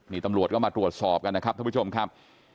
นี่ตำรวจก็มาตรวจสอบกันนะครับท่านผู้ชมครับ